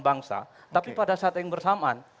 bangsa tapi pada saat yang bersamaan